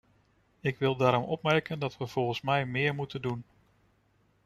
Ik wil daarom opmerken dat we volgens mij meer moeten doen.